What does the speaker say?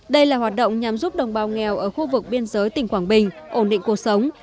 đây là hoạt động nhằm giúp đồng bào nghèo ở khu vực biên giới tỉnh quảng bình ổn định cuộc sống